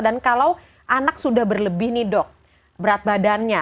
dan kalau anak sudah berlebih nih dok berat badannya